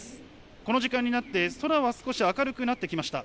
この時間になって空は少し明るくなってきました。